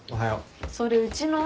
それうちの？